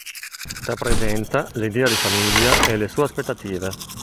Rappresenta l'idea di famiglia e le sue aspettative.